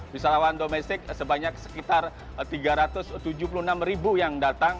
wisatawan domestik sebanyak sekitar tiga ratus tujuh puluh enam ribu yang datang